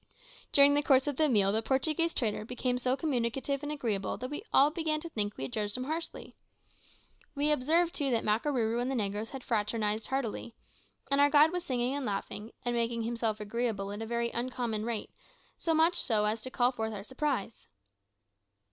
During the course of the meal the Portuguese trader became so communicative and agreeable that we all began to think we had judged him harshly. We observed, too, that Makarooroo and the negroes had fraternised heartily, and our guide was singing and laughing, and making himself agreeable at a very uncommon rate, so much so as to call forth our surprise.